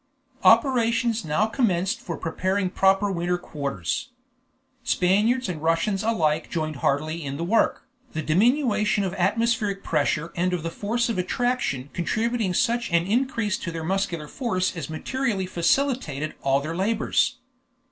Operations now commenced for preparing proper winter quarters. Spaniards and Russians alike joined heartily in the work, the diminution of atmospheric pressure and of the force of attraction contributing such an increase to their muscular force as materially facilitated all their labors.